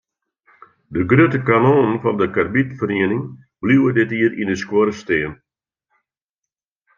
De grutte kanonnen fan de karbidferiening bliuwe dit jier yn de skuorre stean.